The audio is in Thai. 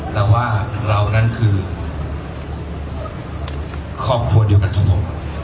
แต่ว่าเรานั่นคือครอบครัวเดียวกันของผม